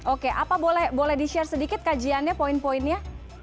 oke apa boleh di share sedikit kajiannya poin poinnya